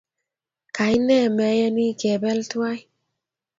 Kaine meyani kebeel tuwai?